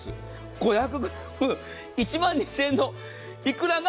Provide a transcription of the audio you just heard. ５００ｇ１万２０００円のいくらが。